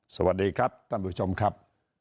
สวัสดีครับท่านผู้ชมครับ